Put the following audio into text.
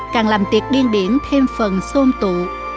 càng làm tiệc điên điển thêm phần xôn tụ